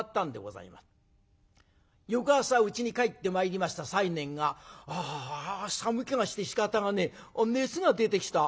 翌朝うちに帰ってまいりました西念が「あ寒気がしてしかたがねえ。熱が出てきた。